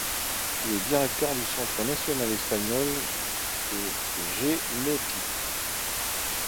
Il est directeur du Centre national espagnol du génotype.